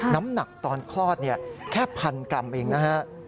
น้ำหนักตอนคลอดแค่พันกรัมเองนะฮะ